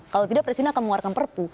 kalau tidak presiden akan mengeluarkan perpu